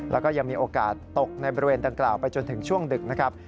แล้วก็ยังมีโอกาสตกในบริเวณดังกล่าวไปจนถึงช่วงดึกนะครับ